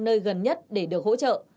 nơi gần nhất để được hỗ trợ